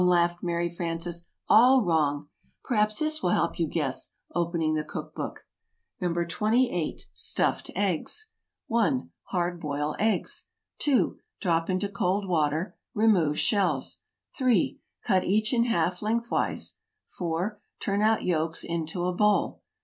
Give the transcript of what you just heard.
laughed Mary Frances. "All wrong! Perhaps this will help you guess" opening the cook book. [Illustration: "Wrong! All wrong!"] NO. 28. STUFFED EGGS. 1. Hard boil eggs. 2. Drop into cold water. Remove shells. 3. Cut each in half lengthwise. 4. Turn out yolks into a bowl.